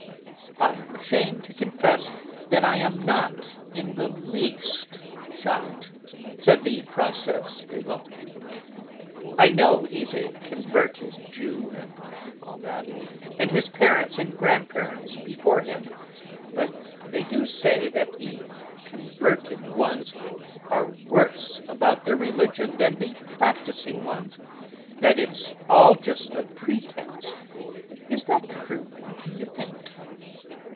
"I am ashamed to confess that I am not in the least shocked," said the Princesse des Laumes. "I know he's a converted Jew, and all that, and his parents and grandparents before him. But they do say that the converted ones are worse about their religion than the practising ones, that it's all just a pretence; is that true, d'you think?"